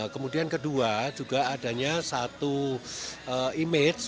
kemudian kedua juga adanya satu image